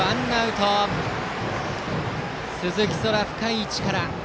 鈴木昊、深い位置から。